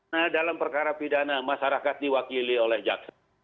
nah dalam perkara pidana masyarakat diwakili oleh jaksa